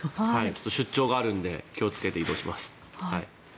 出張があるので気をつけて移動します。